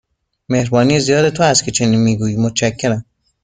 مهربانی زیاد تو است که چنین می گویی، متشکرم.